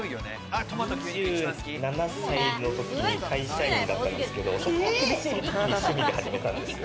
２７歳のときに会社員だったんですけど、そのときに趣味で始めたんです。